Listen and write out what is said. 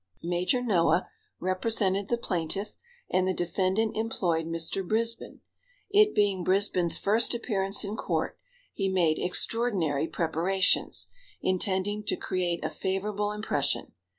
Major Noah represented the plaintiff and the defendant employed Mr. Brisbin. It being Brisbin's first appearance in court, he made extraordinary preparations, intending to create a favorable impression.